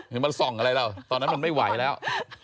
อย่ามาส่องอะไรแล้วตอนนั้นมันไม่ไหวแล้ว